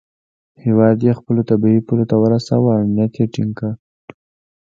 هیواد یې خپلو طبیعي پولو ته ورساوه او امنیت یې ټینګ کړ.